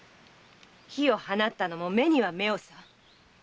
火を放ったのも「目には目を」さ。